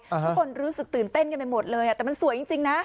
ทุกคนรู้สึกตื่นเต้นกันไปหมดเลยแต่มันสวยจริงนะ